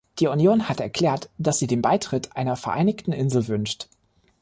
Die Union hat erklärt, dass sie den Beitritt einer vereinigten Insel wünscht.